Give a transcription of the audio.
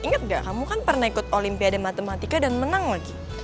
ingat gak kamu kan pernah ikut olimpiade matematika dan menang lagi